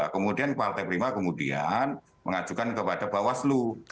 kemudian partai prima kemudian mengajukan kepada bawaslu